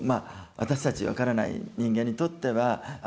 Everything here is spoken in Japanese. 私たち分からない人間にとってはあ